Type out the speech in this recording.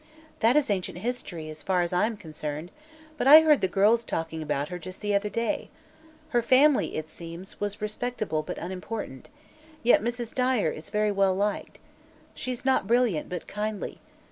"That is ancient history, as far as I am concerned, but I heard the girls talking about her, just the other day. Her family, it seems, was respectable but unimportant; yet Mrs. Dyer is very well liked. She's not brilliant, but kindly.